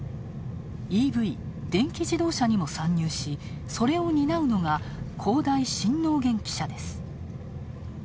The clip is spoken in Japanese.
ＥＶ＝電気自動車にも参入しそれを担うのが、恒大新能源汽車です。